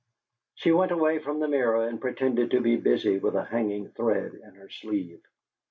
She went away from the mirror and pretended to be busy with a hanging thread in her sleeve.